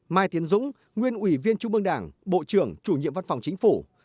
mai tiến dũng nguyên ủy viên trung ương đảng bộ trưởng chủ nhiệm văn phòng chính phủ